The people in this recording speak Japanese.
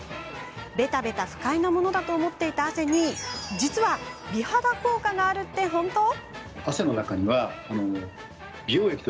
べたべた不快なものだと思っていた汗に実は美肌効果があるって本当？